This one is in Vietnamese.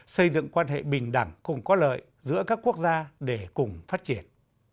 xây dựng quan hệ bình đẳng cùng có lợi giữa các quốc gia để cùng phát triển